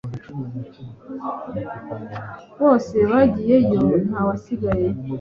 bose bagiyeyo ntawasigaye